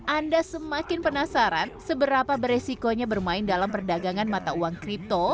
anda semakin penasaran seberapa beresikonya bermain dalam perdagangan mata uang kripto